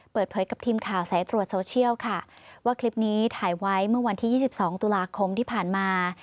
เปิดเผยกับทีมข่าวสายตรวจโซเชียลค่ะว่าคลิปนี้ถ่ายไว้เมื่อวันที่๒๒ตุลาคมที่ผ่านมา